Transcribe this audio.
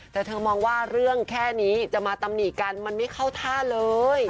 แต่เธอมองว่าเรื่องแค่นี้จะมาตำหนิกันมันไม่เข้าท่าเลย